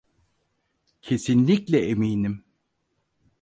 Kesinlikle eminim.